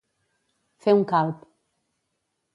Fer un calb.